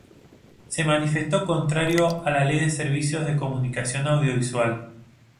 Se manifestó contraria a la Ley de Servicios de Comunicación Audiovisual.